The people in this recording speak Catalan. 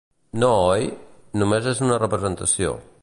No, oi?, només és una representació.